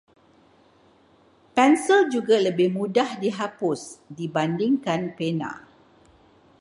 Pensil juga lebih mudah dihapus dibandingkan pena.